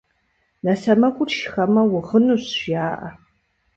Нэ сэмэгур шхэмэ, угъынущ, жаӏэ.